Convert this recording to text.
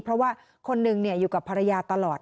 เพราะว่าคนหนึ่งอยู่กับภรรยาตลอด